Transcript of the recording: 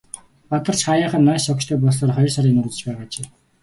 Бадарч хааяахан нааш шогшдог болсоор хоёр сарын нүүр үзэж байгаа ажээ.